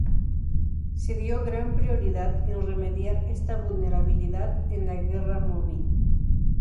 Se dio gran prioridad en remediar esta vulnerabilidad en la guerra móvil.